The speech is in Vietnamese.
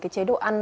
chế độ ăn